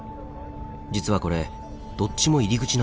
実はこれどっちも入り口なんです。